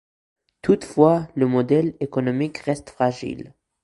Toutefois, le modèle économique reste fragile.